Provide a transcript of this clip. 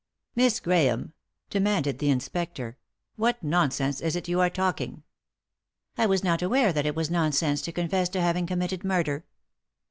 " Miss Grahame," demanded the inspector, " what nonsense is it you are talking ?"" I was not aware that it was nonsense to confess to having committed murder."